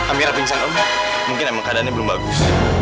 amira pingsan om mungkin emang keadaannya belum bagus